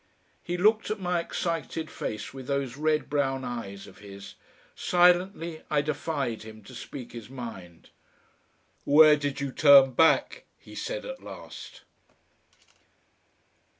He looked at my excited face with those red brown eyes of his. Silently I defied him to speak his mind. "Where did you turn back?" he said at last.